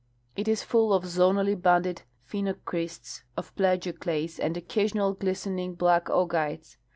It is full of zonally banded phenocrysts of plagioclase and occasional glistening black augites.